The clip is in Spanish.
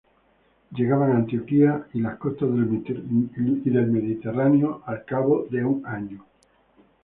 Llegaban a Antioquía y las costas del Mediterráneo al cabo de un año.